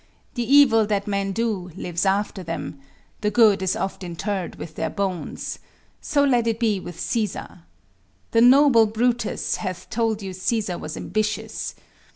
The evil that men do lives after them; The good is oft interred with their bones: So let it be with Cæsar! The Noble Brutus Hath told you Cæsar was ambitious.